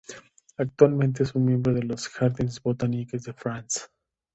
Actualmente es un miembro de los "Jardins botaniques de France".